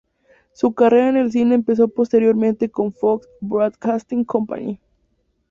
Su carrera en el cine empezó posteriormente con Fox Broadcasting Company.